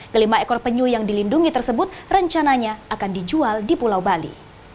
kelima ekor penyu yang dilindungi tersebut rencananya akan dijual di pulau bali